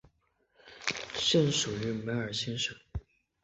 现属于梅尔辛省。